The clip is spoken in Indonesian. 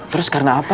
terus karena apa